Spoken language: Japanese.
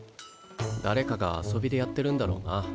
だれかが遊びでやってるんだろうな。